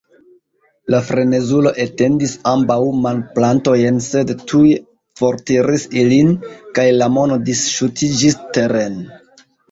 La frenezulo etendis ambaŭ manplatojn, sed tuj fortiris ilin, kaj la mono disŝutiĝis teren.